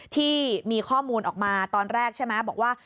ที่มีข้อมูลออกมาตอนแรกใช่ไหมบอกว่า